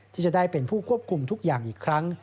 ที่จะได้เป็นผู้ควบคุมทุกอย่างอีกครั้ง